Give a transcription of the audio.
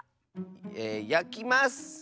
えやきます！